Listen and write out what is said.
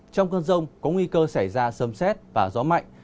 trong cơn rông có nguy cơ xảy ra sâm xét và gió mạnh